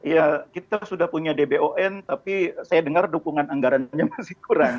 ya kita sudah punya dbon tapi saya dengar dukungan anggarannya masih kurang